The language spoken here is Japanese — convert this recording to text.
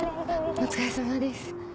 お疲れさまです。